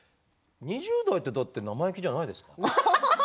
２０代って生意気じゃないですか。